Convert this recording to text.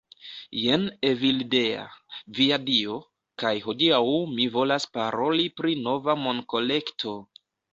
Jen Evildea. Via Dio. kaj hodiaŭ mi volas paroli pri nova monkolekto